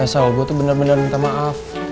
iya soal gua tuh bener bener minta maaf